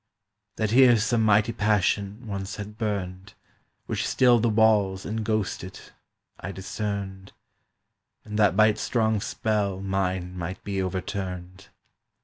That here some mighty passion Once had burned, Which still the walls enghosted, I discerned, And that by its strong spell mine might be overturned.